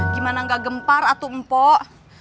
gimana enggak gempar atu mpok